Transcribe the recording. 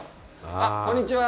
あっ、こんにちは。